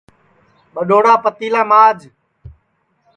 ٻڈؔوڑا پتیلا ماج